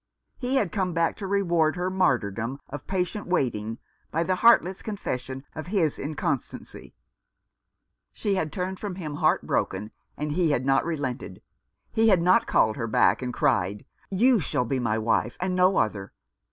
He had come back to reward her martyrdom of patient waiting by the heartless confession of his inconstancy. 370 A New Development. She had turned from him heart broken, and he had not relented. He had not called her back and cried, " You shall be my wife, and no other.